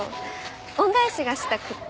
恩返しがしたくて。